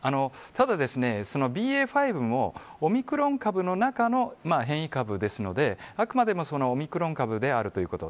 ただですねＢＡ．５もオミクロン株の中の変異株ですので、あくまでもオミクロン株であるということ。